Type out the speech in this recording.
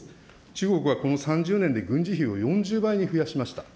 中国はこの３０年で軍事費を４０倍に増やしました。